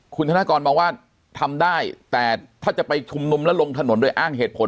คุณธนกรมองว่าทำได้แต่ถ้าจะไปชุมนุมแล้วลงถนนโดยอ้างเหตุผล